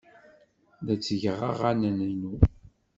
La ttgeɣ aɣanen-inu.